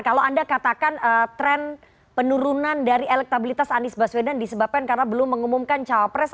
kalau anda katakan tren penurunan dari elektabilitas anies baswedan disebabkan karena belum mengumumkan cawapres